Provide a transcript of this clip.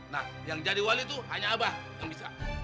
nah yang jadi wali itu hanya abah yang bisa